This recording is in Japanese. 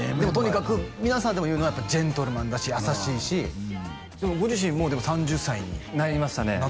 皆さんでも言うのはジェントルマンだし優しいしでもご自身もう３０歳になりましたね